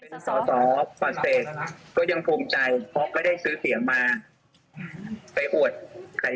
สสสปัศศก็ยังภูมิใจเพราะก็ได้ซื้อเสียงมาไปอวดใคร